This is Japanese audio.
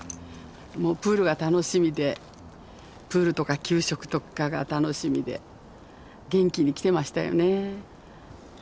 もうプールが楽しみでプールとか給食とかが楽しみで元気に来てましたよね。